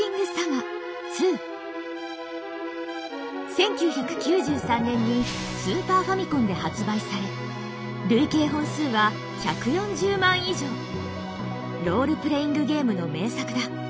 １９９３年にスーパーファミコンで発売され累計本数はロールプレイングゲームの名作だ。